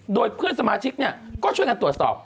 โดยเพื่อนสมาชิกเนี่ยก็ช่วยกันตรวจสอบ